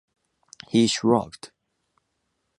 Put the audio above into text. He shrugged.